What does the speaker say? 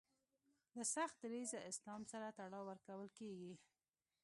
له سخت دریځه اسلام سره تړاو ورکول کیږي